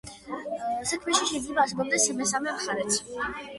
საქმეში შეიძლება არსებობდეს მესამე მხარეც.